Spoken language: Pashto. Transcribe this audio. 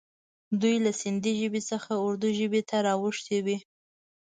دوی له سیندي ژبې څخه اردي ژبې ته را اوښتي وي.